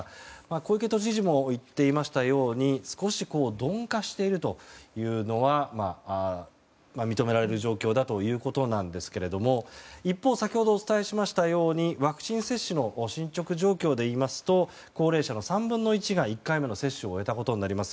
小池都知事も言っていましたように少し鈍化しているというのが認められる状況だということですが一方、先ほどお伝えしましたようにワクチン接種の進捗状況でいいますと高齢者の３分の１が１回目の接種を終えたことになります。